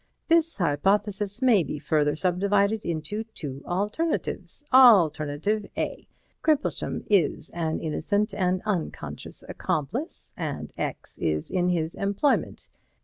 This hypothesis may be further subdivided into two alternatives. Alternative A: Crimplesham is an innocent and unconscious accomplice, and X is in his employment.